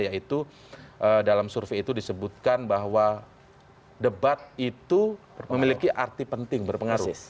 yaitu dalam survei itu disebutkan bahwa debat itu memiliki arti penting berpengaruh